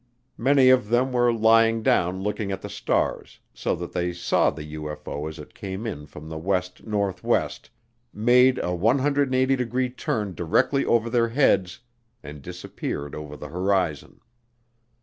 Many of them were lying down looking at the stars, so that they saw the UFO as it came in from the west northwest, made a 180 degree turn directly over their heads, and disappeared over the horizon.